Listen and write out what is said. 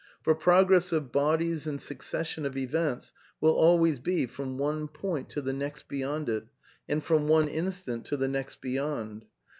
For progress of bodies and succession of events will always be from one point to the next beyond it, and from one instant to the next beyond.